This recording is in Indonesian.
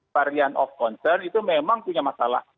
varian of concern itu memang punya masalah